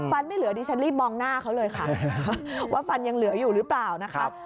ไม่เหลือดิฉันรีบมองหน้าเขาเลยค่ะว่าฟันยังเหลืออยู่หรือเปล่านะคะ